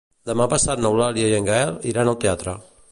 Demà passat n'Eulàlia i en Gaël iran al teatre.